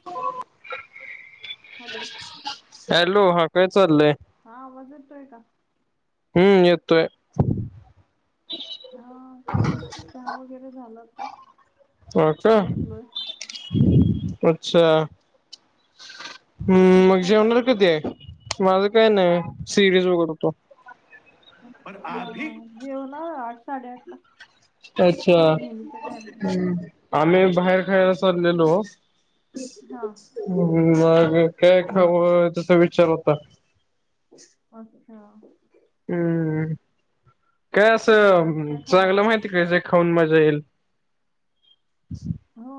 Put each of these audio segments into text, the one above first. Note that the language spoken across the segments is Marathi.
[inaudible] हॅलो हॅलो हा काय चाललंय? हा, आवाज येतोय का? हम्म, येतोय. ''हां'' काही नाही चहा वगैरे झाला आता ह का बसलोय. अच्छा. हम्म, तुझं मग काय जेवणार चाललंय कधी आहे. माझं काय नाही सिरीज बघत होतो. पर अभी जेवणं आठ साडे आठ ला. अच्छा नेहमीच्या टायमिंगला आम्ही बाहेर खायला चाललेलो. हा मग काय खाऊ तसा विचार होता. अच्छा. हम्म, काय मग आज असं काय खाणार चांगलं आहे माहितीये काय जे खाऊन मजा येईल. हो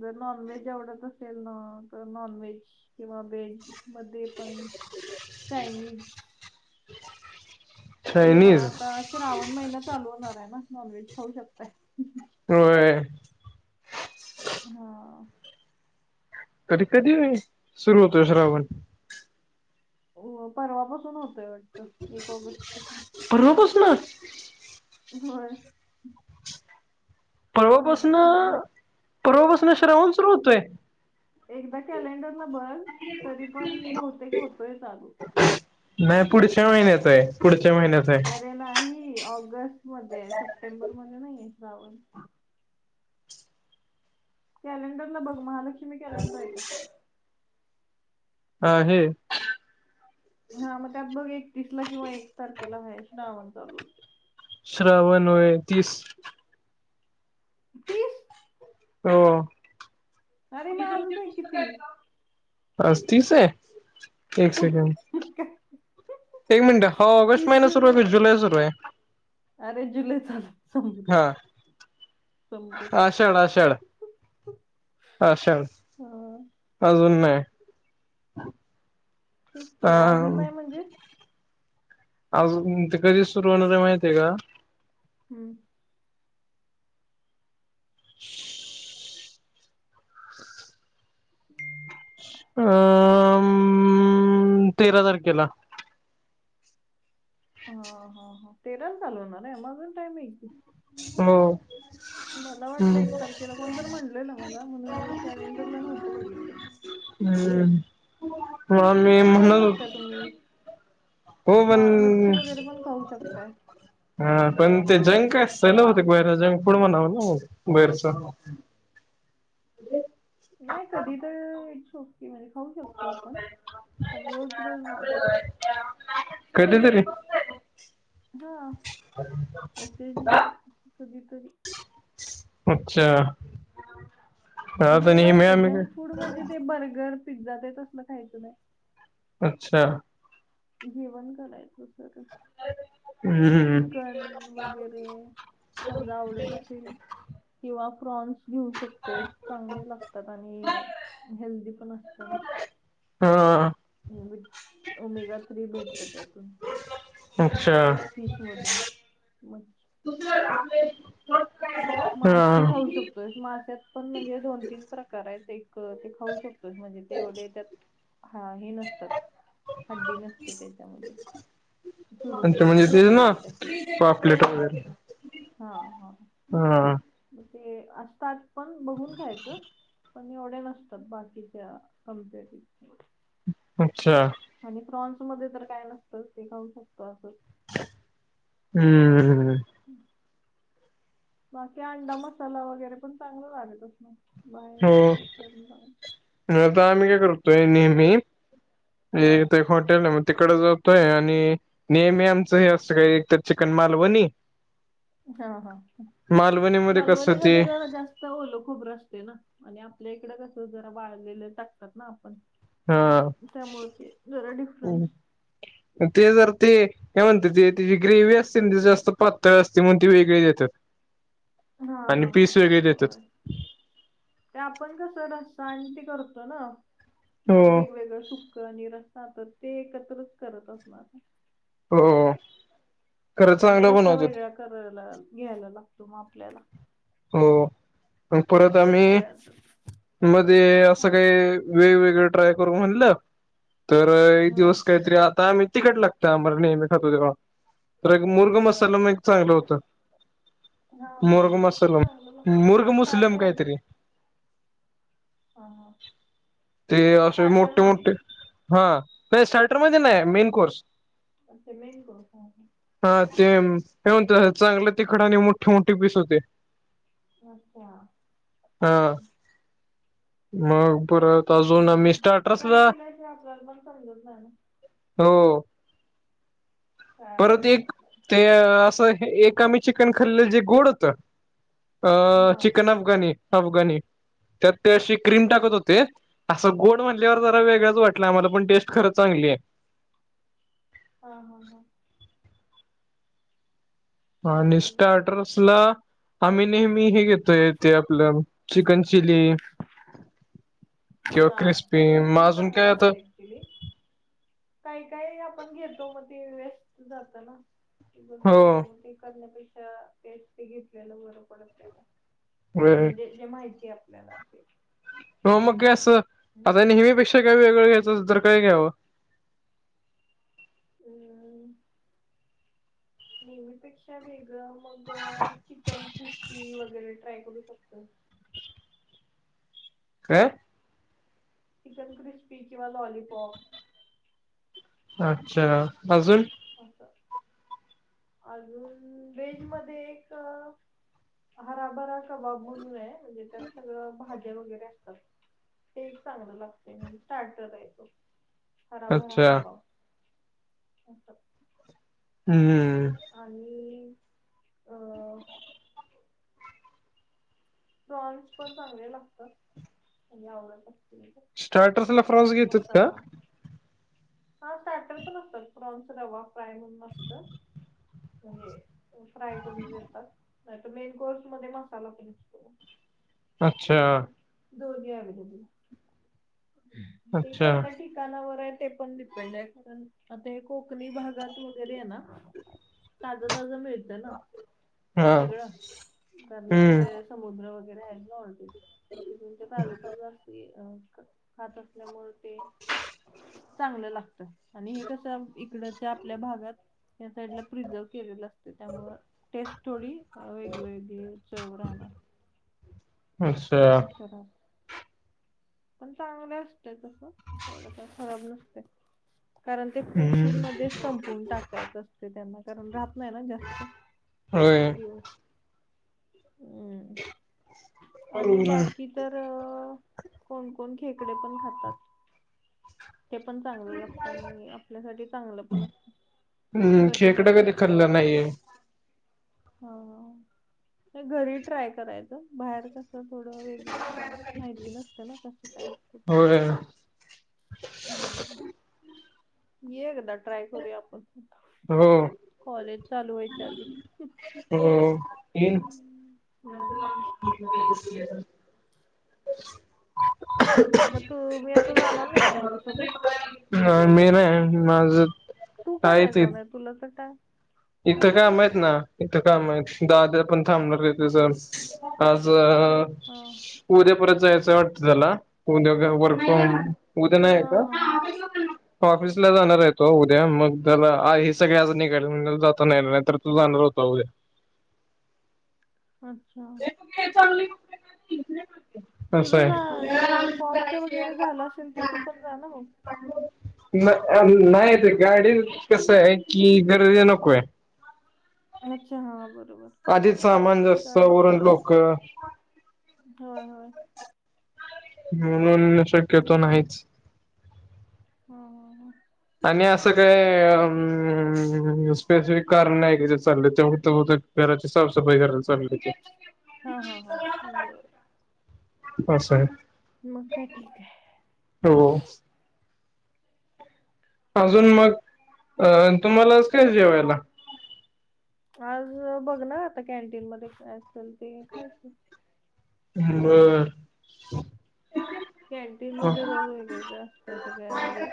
जर नॉनव्हेज आवडत असेल ना तर नॉन व्हेज किंवा व्हेज. मध्ये पण चायनीज. किंवा चायनीज आता श्रावण महिना चालू होणार आहे ना, नॉन व्हेज खाऊ शकताय. होय, हा, कधी कधी सुरू होतोय श्रावण? हो परवापासून होतोय वाटतं एक ऑगस्ट पासून. परवापासनं? होय. माहिती पर्वापासून नाही तुला पर्वापासून श्रावण सुरू होतोय. एकदा कॅलेंडरला बग तरी पण बहुतेक होतोय चालू. नाही पुढच्या महिन्यात आहे पुढच्या महिन्यात आहे. अरे नाही ऑगस्ट मध्ये सप्टेंबर मध्ये नाही आहे श्रावण. कॅलेंडरला बघ महालक्ष्मी कॅलेंडर आहे का. अ हे, हा, मग त्यात बघ एक तीस किंवा एक तारखेला हाय श्रावण चालू होते. श्रावण होय तीस. तीस. हो, अरे मग आजच आहे की, तीस. आज तीस आहे. एक सेकंड, एक मिनिटं हो ऑगस्ट तीस महिना सुरू आहे जुलै सुरू आहे. अरे जुलै चालू समृद्ध ह, समृद्ध आषाढ आषाढ आषाढ, हा अजून नाय तेच की, अजून नाय म्हणजे अजून ते कधी सुरू होणारे माहिती आहे का? हम्म, [inaudible] [inaudible] अ..., मी...., तेरा तारखेला ह ह ह, तेराले चालू होणार म्हणून त्या नी [unintelligible] मला वाटलं हम्म एक तारखेला, कोण तर म्हणलेला मला म्हणून मी कॅलेंडरला नव्हतो बघितलं. हम्म मग आम्ही काय खाऊ शकताय म्हणत तुम्ही, हो मा मच्छी पण वगैरे पण खाऊ शकताय. हा पण ते जंग काय सण होते बुयारा जंग फुड म्हणाव असं बैरच नाही कधी तर इट्स ओके म्हणजे खाऊ शकतो आपण. पण रोज रोज नाही. कधीतरी धा, ओकेजनली कधीतरी अच्छा. आता नेहमी जेवायचं आम्ही काय जंक फूड म्हणजे ते बर्गर, पिझ्झा ते तसलं खायचं नाही. अच्छा. जेवण करायचं सरळ. [unintelligible] हम्म. चिकन वगैरे समजा आवडत असेल किंवा प्रॉन्स घेऊ शक ते चांगले लागतात. आणि हेल्दी पण असते ना, हा लिमीट, ओमेगा थ्री भेटतं त्यातून. फिश मधून अच्छा. मग [unintelligible] मासे हा. खाऊ शकतोयस. माशात पण म्हणजे दोन तीन प्रकार आहेत. ते एक खाऊ शक म्हणजे तेवढे त्यात हा हे नसतात. हड्डी नसते त्याच्यामध्ये. अच्छा सुरमई म्हणजे तेच ना पापलेट असे पापलेट वगैरे हा हा, हा ते असतात पण बघून ख्यायचं. पण एवढे नसतात बाकीच्या कमपेटिव्ह अच्छा. आणि प्रान्स मध्ये तर काय नसतं ते खाऊ शकतो असं. हम्म्म, हम्म, बाकी अंडा मसाला वगैरे पण चांगला लागत असणार. बाहेर देतात करून चांगला. नाहित आम्ही काय करतोय नेहमी हा ये ते हॉटेल नव तिकडं जातोय आणि नेहमी आमचं हे असं काही एक त चिकन मालवणी हा हा हा, मालवणीमध्ये कसं ते मालवणीमध्ये जरा जास् त ओलं खोबरं अस्तेना आणि आपल्या इकडं कसं जरा वाळलेलं टाकतात ना आपण हा त्यामुळे ते जरा डिफरन्स ते जर ते! काय म्हणत्यां ते त्याची ग्रेवी असते ना ती जास्त पातळ असते म्हणू ती वेगळे देत्यांत. हा आणि हा हा. पीस वेगळे देत्यात. होय ते आपण कसं रस्सा आणि ते करतो ना हो म्हणजे वेगवेगळं सु कं आणि रस्सा तं ते एकत्रच करत असणार. हो! खरं आणि चांगलं रस्सा बनवतात वेगळा करायला घ्यायला लागतो म आपल्याला. हो अन परत आम्ही सगळ्यांच मध्ये असं हो काही. वेगवेगळ ट्राय करू म्हणलं तर एक हा. दिवस काहीतरी आता आही तिकटला त्यां आंबर नेहमी खातोय देवां. तर एक मुर्ग बर मसाला मयीकं चालू होत, हा हा हा. मुर्ग ते मस तं पण चांगलं लावून मुर्ग लागत मुसलम स्टार्टर ना कायतरी! हा हा. ते असे स्टार्टर मोठे मध्ये मोठे, हा ये साईटर मध्ये ना मेन कोर्स. अच्छा मेन कोर्स हा हा! हा ते ते म्हणत्यां चांगलं तिखट आणि मोठे मोठे पीस होते. अच्छा! हा मग अजून परत आमी ट्राय स्टार्टरसला केल्याशिवाय आपल्याला पण समजत नाही ना हो! काय परत आवडतंय एक आपल्याला. ते अ असं हे एक आम्ही चिकन खाल्ल जे गोड होत. अ हा चिकन अफगानी, अफगाणी त्यात ते अशी क्रीम बर टाकत होते. असं गोड म्हणल्यावर जरा वेगळंच वाटलं आम्हाला पण टेस्ट खरंच चांगली आहे. हा हा हा! आणि बरोबर स्टार्टर्स ला! आम्ही नेहमी हे घेतोय ते आपलं चिकन चिली. किंवा हा क्रिस्पी चिकन मआजून चांगलं काय आता. असतं चिली काही काही आपण घेतो म ते वेस्ट जात ना. ते बस हो मग ते करण्यापेक्षा तेच ते घेतलेलं बरं पडत त्याला. व्हय म्हणजे जे माहिती हे आपल्याला ते. हो मग काय असं, आता म्हणजे नेहमीपेक्षा काही वेगळं घ्यायंच तर काय घ्यावं? अ! नेहमीपेक्षा वेगळं मग चिकन क्रिस्पी वगैरे ट्राय करू शकतोस. काय? चिकन क्रिस्पी किंवा लॉलीपॉप. अच्छा अजून. असं. अजून व्हेज मध्ये एक हराभरा कबाब म्हणून आहे. म्हणजे त्यात सगळं भाज्या वगैरे असतात. ते एक चांगलं लागतेय म्हणजे स्टार्टरं टाईप. हराबरा अच्छा कबाव असं. हूं! आणि अ! प्रॉन्स पण चांगले लागतात आणि आवडतां. स्टार्टर्सला फ्रॉन्स प्रॉन्स घेतात का मसाला. हा स्टार्टर पण असतात, प्रॉन्स रवा फ्राय म्हणून असत म्हणजे. फ्राय करून देतात, नाहीतर मेन कोर्स मध्ये मसाला [unintelligible] असतो. अच्छा दोनही अच्छा कोणता [unintelligible] नावर आहे ते पण डिपेंड आहे, आता हे कोकणी भागात वगैरे आहे ना ताजं ताजं मिळतं ना, हा सगळं, कारण तिथे हम्म समुद्र वगैरे आहे ना ऑलरेडी. तिथून ते ताजं ताजं असते अ, खात असल्यामुळे ते चांगलं लागतं, आणि हे कसं इकडच्या आपल्या भागात, ह्या साईडला प्रिझर्व केलेलं असतं त्यामुळं टेस्ट थोडी अ वेगवेगळी चव राहणार. अच्छा. असं राहत पण चांगले असतय तसं,, एवढं काय खराब नसतय कारण ते फि हम्म मध्ये संपून टाकायचं असतय त्यांना, कारण राहत नाही ना जास्त. होय. दिवस हम्म,, आणि बरोबर आहे. बाकी तर अ कोणकोण खेकडे पण खातात. ते चांगलं लागतं आणि आपल्यासाठी चांगलं पण अस हम्म खेकडं कधी प्रतिकारशक्ती खाल्लं वाढते. नाहीये हो,, हे घरी ट्राय करायचं, बाहेर कसं थोडं वेगळं काय, माहिती नसतं ना कसं काय असतय. होय. हम्म. एकदा ट्राय करूया आपण, हो कॉलेज चालू व्हायच्या आधी. हो,, तीन हम्म. हम्म. [unintelligible] मग तूऽमी आता जाणार नाही आहे त्यांच्यासोबत? नाही मी नाही, माझं तू का नाही जाऊनय तुला तर काय हा इथं काम आहेत ना, इथं काम आहेत, दाद्या पण थांबणार इथंच आज, आज अ, हा उद्या परत जायचाय वाटतं त्याला, उद्या वर्क फ्रॉम उद्या नाही आहे हा का? हा हा. ऑफिसला जाणार आहे तो उद्या, मग त्याला हे सगळे आज निघाले नाही नाहीतर तू जानार हुता व्हय. अच्छा. ते चांगली तुझं झा ते फॉर्मच वगैरे झालं असेल तर तू पण जा ना मग. अ नाही ते गाडी कसं आहे की गरज नको आहे हेच हां बरोबर इधीच सामान जास्त, गाडी वर पण आणी लोकं होय होय. म्हणून शक्यतो बरोबर नाहीच हा हा हा. आणि असं काय, स्पेसिफिक कारण नाही की चाललं तेव त ब घराची साफसफाई कराय चाललूय त्याची हा हा हा बर. पाच सा य मग काय ठीक हाय. हो अजूंन मगं अं तुम्हांलाचं कायं जेवांयला आंज बघं नां आंता कॅन्टीन मध्यें असेल ते खायचं बरं कॅन्टीन मध्यें रोल वगेरे गं असतं सगळ्यां म्हणजे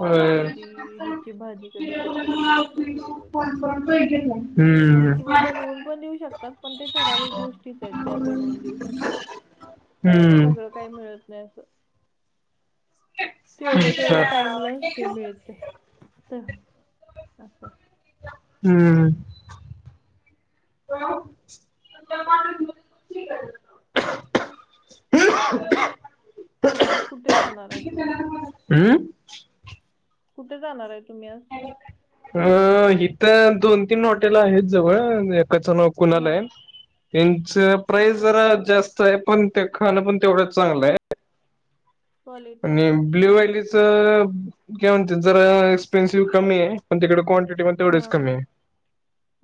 होय. कधीं ह्यांची भाजी कधीं त्यांची भाजी असं वेगवेगळं हम्मं आणि किंवा बनवूंन पणं देऊं शकतांत पणं ते ठरांवीक गोष्टीचं आहेतं ज्यां बनवूंन देऊं शकतांत हम्म. सगळं कां मित नाहीं तेवढ्यां अच्छा. तेवढ्यां टाईमलां मितं हं हम्मं करं मग आज कुठे जाणार आहे तुम्ही हम्मं कुंठे जाणारं आहे तुम्हीं आंज अं इंथ दोन तीनं हॉटेल आहेतं जवळं एकांच नोक पुण्यांला हा आहे त्यांच प्राईस अच्छा जरां जास्तं आहे पणं ते खाणं पणं तेवढं चांगलं आहे कॉलेज आहे आणि ब्ल्यूं हम्म, हम्म. व्हॅलीच कां जरां एक्सपेन्सिव्ह कमी पणं तिकडे क्वांटिटी म्हंणे तेवढीचं हा कमी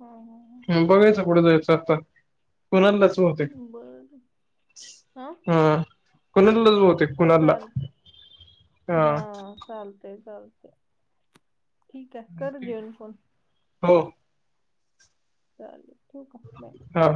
हा हा बघायचं पुढे जायचं आंता कोणां लाचं भवतेक होते बर हां कोणं लजवते चालतं हां चालतंय चालतं ठीकं आहे करं जेवणं फोन हो चालेल ठीकं आहे बांय हां